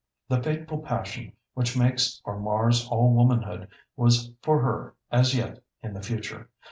The fateful passion which makes or mars all womanhood was for her as yet in the future.